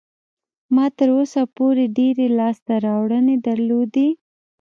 ما تر اوسه پورې ډېرې لاسته راوړنې درلودې.